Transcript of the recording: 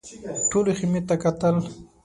ټولو خيمې ته کتل.